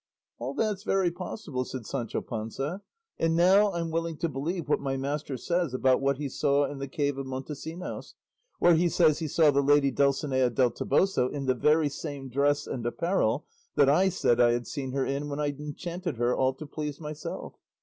"All that's very possible," said Sancho Panza; "and now I'm willing to believe what my master says about what he saw in the cave of Montesinos, where he says he saw the lady Dulcinea del Toboso in the very same dress and apparel that I said I had seen her in when I enchanted her all to please myself.